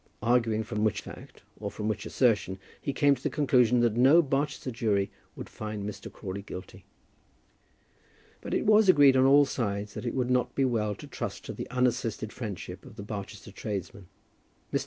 Arguing from which fact, or from which assertion, he came to the conclusion that no Barchester jury would find Mr. Crawley guilty. But it was agreed on all sides that it would not be well to trust to the unassisted friendship of the Barchester tradesmen. Mr.